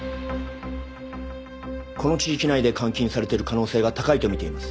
この地域内で監禁されている可能性が高いとみています。